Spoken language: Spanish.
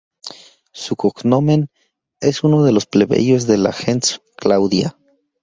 Su cognomen es uno de los plebeyos de la gens Claudia.